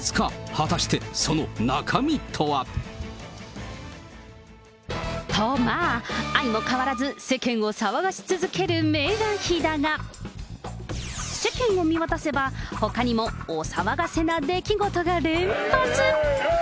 果たしてその中身とは。と、まあ、相も変わらず世間を騒がし続けるメーガン妃だが、世間を見渡せば、ほかにもお騒がせな出来事が連発。